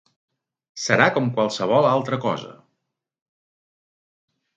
Serà com qualsevol altra cosa!